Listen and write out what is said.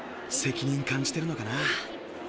責任感じてるのかな？